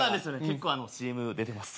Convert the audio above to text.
結構ＣＭ出てます。